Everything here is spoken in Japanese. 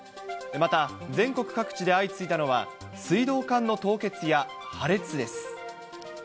また全国各地で相次いだのは、水道管の凍結や破裂です。